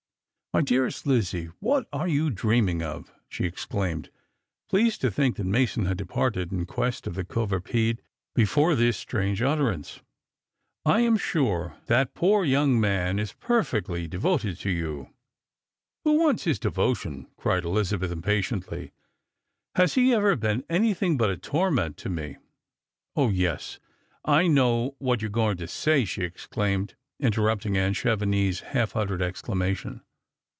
" My dearest Lizzie, what are you dreaming of? " she ex claimed ; pleased to think that Mason had departed, in quest of Ihe couvre pied, before this strange utterance. " I am sure that poor young man is perfectly devoted to you." " Who w^its his devotion P " cried Elizabeth impatiently. Strangers and Pilgrims. VI "Has he ever been anything Lut a torment tc me? 0, yes, I know what you are going to say," she exclaimed, interrupting aunt Chevenix's half uttered exclamation.